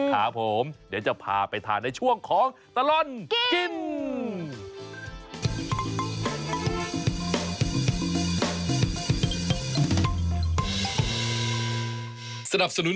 ครับผมเดี๋ยวจะพาไปทานในช่วงของตลอดกิน